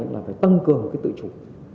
là phải tăng cường cái tự chủ